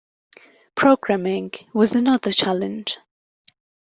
Programming was another challenge.